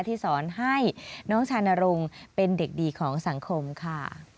ที่สอนให้น้องชานรงค์เป็นเด็กดีของสังคมค่ะ